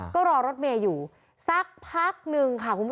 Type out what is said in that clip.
ก็รอรถเมย์อยู่สักพักนึงค่ะ